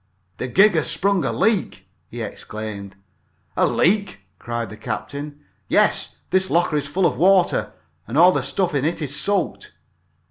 "The gig has sprung a leak!" he exclaimed. "A leak!" cried the captain. "Yes, this locker is half full of water, and all the stuff in it is soaked."